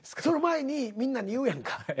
その前にみんなに言うやんか。